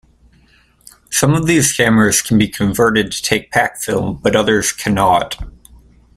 Some of these cameras can be converted to take pack film, but others cannot.